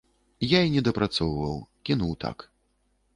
Я і не дапрацоўваў, кінуў так.